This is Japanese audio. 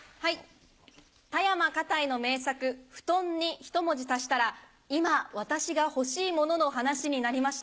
田山花袋の名作『蒲団』にひと文字足したら今私が欲しい物の話になりました。